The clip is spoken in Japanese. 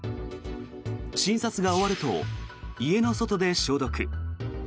診察が終わると家の外で消毒。